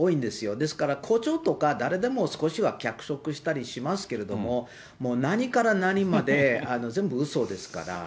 ですから誇張とか、誰でも少しは脚色したりしますけども、もう何から何まで全部うそですから。